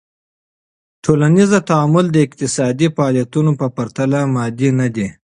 ټولنیز تعامل د اقتصادی فعالیتونو په پرتله مادي ندي.